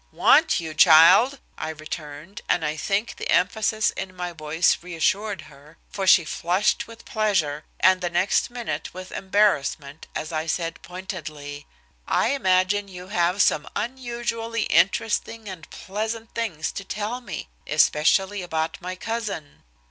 "Want you, child!" I returned, and I think the emphasis in my voice reassured her, for she flushed with pleasure, and the next minute with embarrassment as I said pointedly: "I imagine you have some unusually interesting and pleasant things to tell me, especially about my cousin."